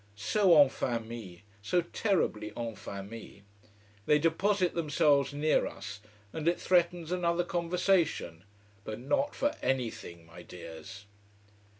So en famille: so terribly en famille. They deposit themselves near us, and it threatens another conversation. But not for anything, my dears!